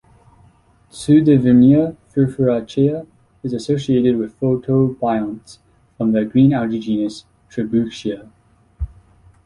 "Pseudevernia furfuracea" is associated with photobionts from the green algae genus "Trebouxia".